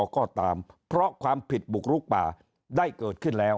ก็ตามเพราะความผิดบุกลุกป่าได้เกิดขึ้นแล้ว